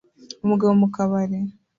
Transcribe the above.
Umugabo mu kabari